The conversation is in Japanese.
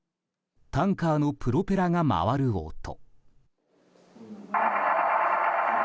タンカーのプロペラが回る音。